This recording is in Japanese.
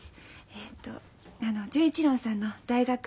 えっと純一郎さんの大学の後輩です。